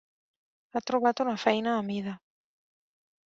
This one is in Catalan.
Ha trobat una feina a mida.